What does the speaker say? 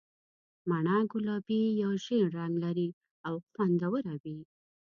مڼه ګلابي یا ژېړ رنګ لري او خوندوره وي.